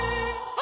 あ！